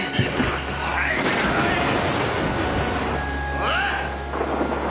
おい！